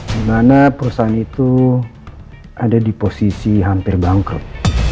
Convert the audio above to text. di mana perusahaan itu ada di posisi hampir bangkrut